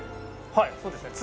はいそうですね。